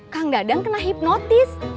kang dadang kena hipnotis